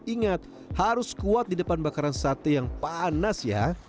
ingat harus kuat di depan bakaran sate yang panas ya